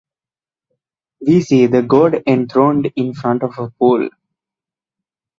We see the god enthroned in front of a pool.